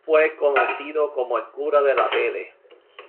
Fue conocido como "el cura de la tele".